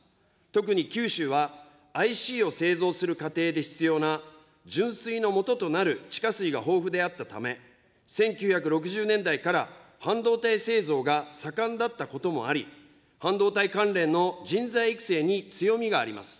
特に九州はＩＣを製造する過程で必要な、純水のもととなる地下水が豊富であったため、１９６０年代から半導体製造が盛んだったこともあり、半導体関連の人材育成に強みがあります。